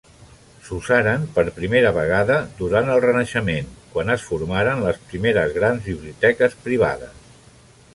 S'usaren per primera vegada durant el Renaixement, quan es formaren les primeres grans biblioteques privades.